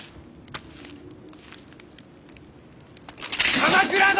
鎌倉殿！